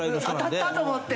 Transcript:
当たったと思って。